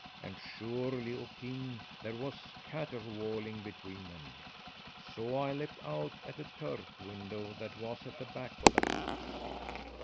And surely, oh king, there was catterwauling between them. So I leapt out at a turf window that was at the back of the house.